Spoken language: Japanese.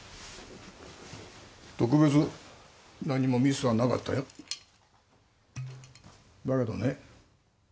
特別何もミスはなかったよだけどね